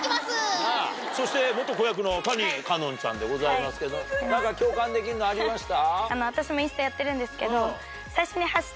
そして子役の谷花音ちゃんでございますけど何か共感できるのありました？